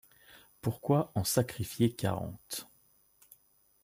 Pourquoi en sacrifier quarante ?